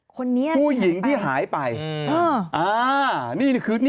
คนแน่นไปผู้หญิงที่หายไป